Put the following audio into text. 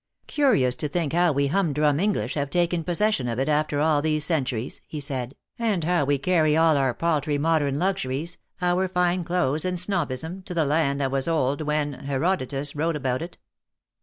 "Curious to think how we humdrum English have taken possession of it after all these cen turies," he said, "and how we carry all our paltry modern luxuries, our fine clothes and .snobbism, to the land that was old when Herodotus wrote about it."